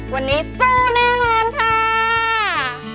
วันนี้สู้แน่นอนค่ะ